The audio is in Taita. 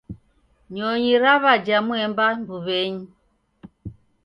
Nyonyi raw'ajha mwemba mbuw'enyi.